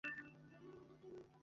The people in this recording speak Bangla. ডালাটা নিঃশব্দে বন্ধ করে দিলেন।